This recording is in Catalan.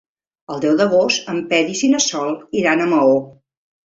El deu d'agost en Peris i na Sol iran a Maó.